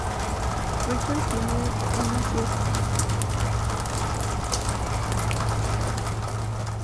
Richards tiene una cierta coincidencia con What's the Frequency, Kenneth?